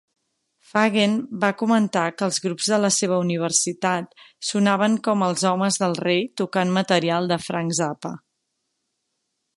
Fagen va comentar que els grups de la seva universitat sonaven com "els homes del rei tocant material de Frank Zappa".